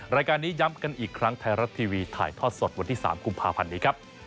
รายการนี้ย้ำกันอีกครั้งไทยรัฐทีวีถ่ายทอดสดวันที่๓กุมภาพันธ์นี้ครับ